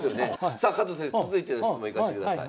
さあ加藤先生続いての質問いかしてください。